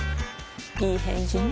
いい返事ね